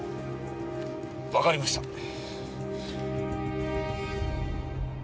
わかりました。